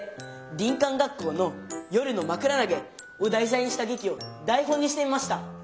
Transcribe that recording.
「林間学校の夜のまくらなげ」を題材にした劇を台本にしてみました。